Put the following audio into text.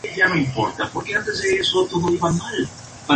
Su último poema titulado ¡Casi un siglo...!